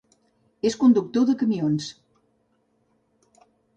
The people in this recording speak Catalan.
És conductor de camions.